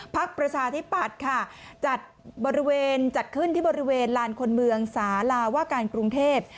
ภักดิ์ประชาธิปัตย์จัดขึ้นที่บริเวณหลานคนเมืองสาลาวาการกรุงเทพฯ